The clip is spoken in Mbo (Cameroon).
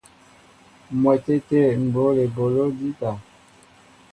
M̀wɛtê tê m̀ bǒl eboló jíta.